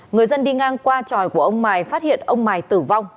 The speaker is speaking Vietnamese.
người dân đi ngang qua tròi của ông mài phát hiện ông mài tử vong